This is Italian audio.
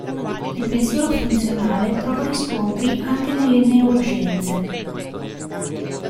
Il pensiero funzionale trova riscontri anche nelle "neuroscienze".